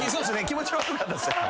気持ち悪かったですね。